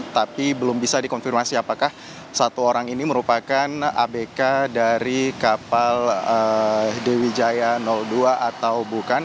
tapi belum bisa dikonfirmasi apakah satu orang ini merupakan abk dari kapal dewi jaya dua atau bukan